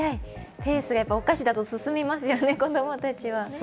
ペースがお菓子だと進みますよね、子供たちは。